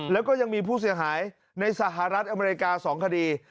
แล้วก็ยังมีผู้เสียหายในสหรัฐอเมริกา๒คดี